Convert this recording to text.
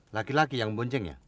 laki laki yang bonceng ya